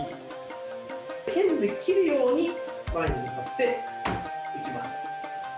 剣で切るように前に向かって打ちます。